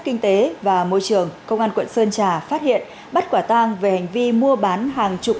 kinh tế và môi trường công an quận sơn trà phát hiện bắt quả tang về hành vi mua bán hàng